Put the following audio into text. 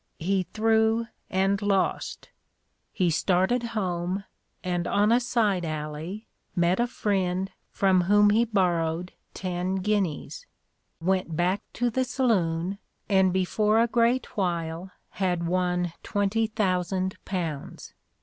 He threw and lost. He started home, and on a side alley met a friend from whom he borrowed ten guineas; went back to the saloon, and before a great while had won twenty thousand pounds.